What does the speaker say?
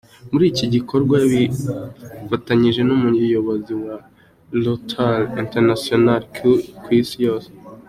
Muri iki gikorwa bifatanyije n’Umuyobozi wa Rotary International ku Isi, K.